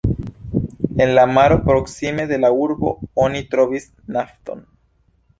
En la maro proksime de la urbo oni trovis nafton.